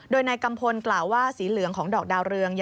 โดยนายกัมพลกล่าวว่าสีเหลืองของดอกดาวเรือง